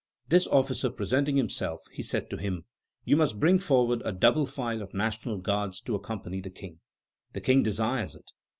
This officer presenting himself, he said to him: "You must bring forward a double file of National Guards to accompany the King. The King desires it."